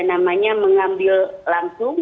tetapi terjadilah pembentukan pembentukan pembentukan